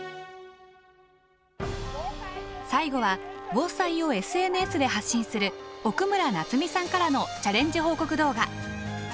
最後は防災用ＳＮＳで発信する奥村奈津美さんからのチャレンジ報告動画。